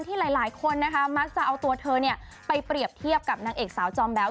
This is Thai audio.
หลายคนนะคะมักจะเอาตัวเธอไปเปรียบเทียบกับนางเอกสาวจอมแบ๊ว